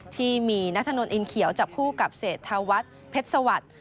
ที่มีนัทนวร์ลอิ้นเขียวจับคู่กับเสธทาวัฏเพชรสวัตร